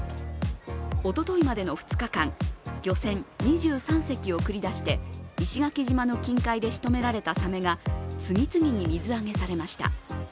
おとといまでの２日間、漁船２３隻を繰り出して石垣島の近海でしとめられたサメが次々に水揚げされました。